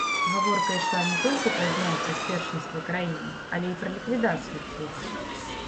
Гаворка ішла не толькі пра зняцце з першынства краіны, але і пра ліквідацыю клуба.